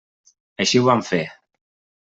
Així ho van fer.